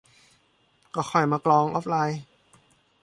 ก็ค่อยมากรองออฟไลน์